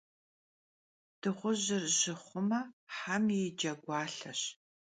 Dığujır jı xhume, hem yi cegualheş.